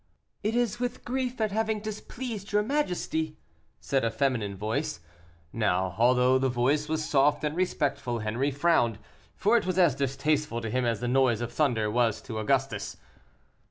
"It is with grief at having displeased your majesty," said a feminine voice. Now, although the voice was soft and respectful, Henri frowned, for it was as distasteful to him as the noise of thunder was to Augustus.